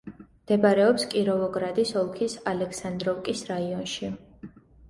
მდებარეობს კიროვოგრადის ოლქის ალექსანდროვკის რაიონში.